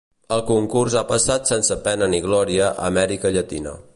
El concurs ha passat sense pena ni glòria a Amèrica Llatina.